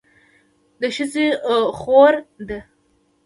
ښځه خور ده